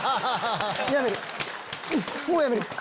「もうやめる」。